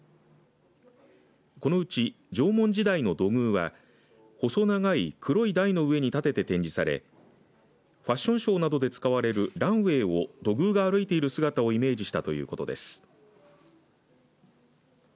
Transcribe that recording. このうち縄文時代の土偶は細長い黒い台の上に立てて展示されファッションショーなどで使われるランウエーを土偶が歩いている姿をイメージしたということです。